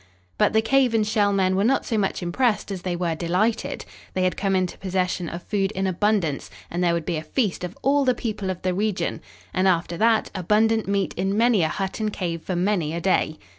But the cave and Shell men were not so much impressed as they were delighted. They had come into possession of food in abundance and there would be a feast of all the people of the region, and, after that, abundant meat in many a hut and cave for many a day.